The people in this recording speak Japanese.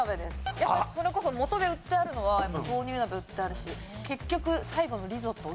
やっぱりそれこそ素で売ってあるのは豆乳鍋売ってあるし結局。